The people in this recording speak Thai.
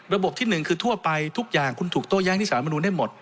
ระบบที่หนึ่งคือทั่วไปทุกอย่างคุณถูกโต้ย้างที่สาธารณูลได้หมด